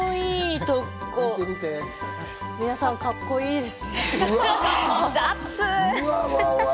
皆さん、カッコいいですね。